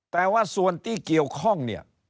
แต่ว่าส่วนที่เกี่ยวข้องเนี่ย